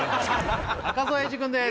赤楚衛二くんです